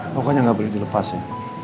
pokoknya nggak boleh dilepas ya